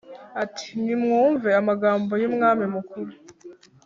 ati «Nimwumve amagambo y’umwami mukuru,